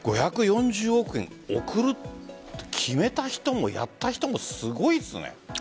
５４０億円送ると決めた人もやった人もすごいですね。